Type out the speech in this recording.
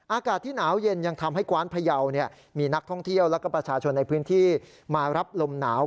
อากาศที่หนาวเย็นยังทำให้กว้านพหยาวเนี่ย